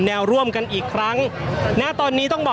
ก็น่าจะมีการเปิดทางให้รถพยาบาลเคลื่อนต่อไปนะครับ